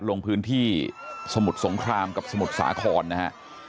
ลงพื้นที่สมุทรสงครามกับสมุทรสาครนะฮะ